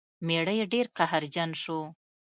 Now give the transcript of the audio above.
میړه یې ډیر قهرجن شو.